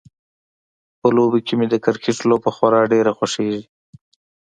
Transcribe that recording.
په لوبو کې مې د کرکټ لوبه خورا ډیره خوښیږي